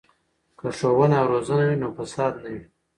که ښوونه او روزنه وي نو فساد نه وي.